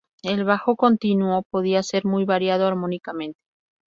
El bajo continuo podía ser muy variado armónicamente.